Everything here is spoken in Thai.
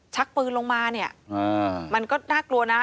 ชักปืนลงมาเนี่ยมันก็น่ากลัวนะ